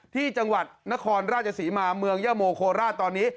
ที่จังหวัดนครราชศรีมาเมืองยะโมโคราชตอนนี้